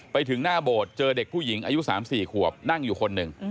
ไปถึงหน้าโบสถ์เจอเด็กผู้หญิงอายุ๓๔ขวบนั่งอยู่คนหนึ่ง